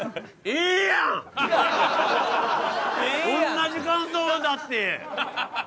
同じ感想だって。